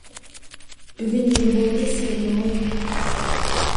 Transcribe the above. — بۈگۈن نېمە بولدى سىلىگە، ھوي!